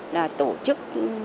là tổ chức